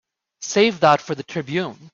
Save that for the Tribune.